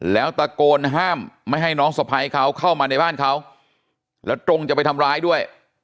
แล้วตะโกนห้ามไม่ให้น้องสะพ้ายเขาเข้ามาในบ้านเขาแล้วตรงจะไปทำร้ายด้วย